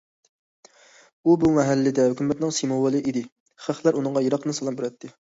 ئۇ بۇ مەھەللىدە ھۆكۈمەتنىڭ سىمۋولى ئىدى، خەقلەر ئۇنىڭغا يىراقتىن سالام بېرەتتى.